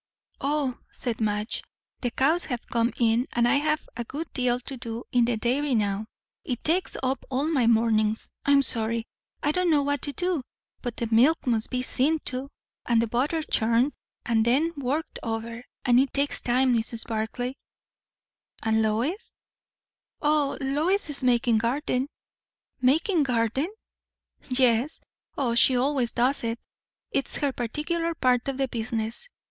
"O," said Madge, "the cows have come in, and I have a good deal to do in the dairy now; it takes up all my mornings. I'm so sorry, I don't know what to do! but the milk must be seen to, and the butter churned, and then worked over; and it takes time, Mrs. Barclay." "And Lois?" "O, Lois is making garden." "Making garden!" "Yes; O, she always does it. It's her particular part of the business.